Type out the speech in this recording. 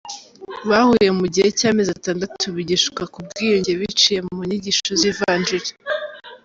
Bahuye mu gihe cy’amezi atandatu, bigishwa ku bwiyunge biciye mu nyigisho z’ivanjiri.